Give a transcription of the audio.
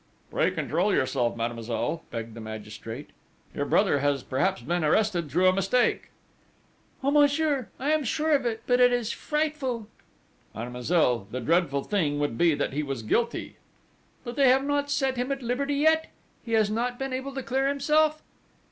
"Pray control yourself, mademoiselle," begged the magistrate. "Your brother has perhaps been arrested through a mistake...." "Oh, monsieur, I am sure of it, but it is frightful!" "Mademoiselle, the dreadful thing would be that he was guilty." "But they have not set him at liberty yet? He has not been able to clear himself?"